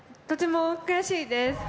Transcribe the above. とても悔しいです。